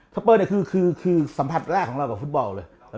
เปอร์เนี่ยคือสัมผัสแรกของเรากับฟุตบอลเลย